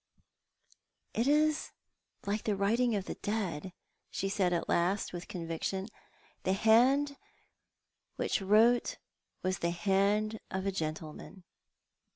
" It is like the writing of the dead," she said at last, with conviction. " The hand which wrote was the hand of a gentle man.